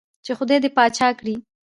چې خدائے دې باچا کړه ـ